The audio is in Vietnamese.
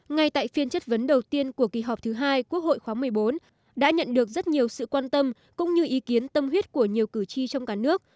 ngay tại phiên chất vấn đầu tiên của kỳ họp thứ hai quốc hội khóa một mươi bốn đã nhận được rất nhiều sự quan tâm cũng như ý kiến tâm huyết của nhiều cử tri trong cả nước